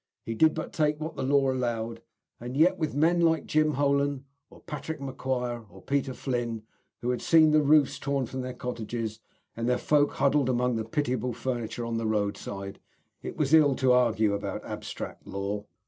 He did but take what the law allowed, and yet, with men like Jim Holan, or Patrick McQuire, or Peter Flynn, who had seen the roofs torn from their cottages and their folk huddled among their pitiable furniture upon the roadside, it was ill to argue about abstract law.